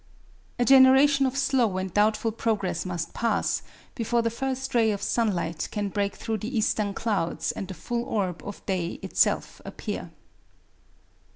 A generation of slow and doubtful progress must pass, before the first ray of sunlight can break through the eastern clouds and the full orb of day itself appear.